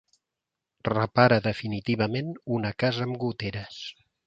Repara definitivament una casa amb goteres.